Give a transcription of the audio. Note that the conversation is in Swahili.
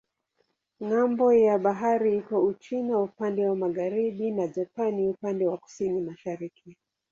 Ng'ambo ya bahari iko Uchina upande wa magharibi na Japani upande wa kusini-mashariki.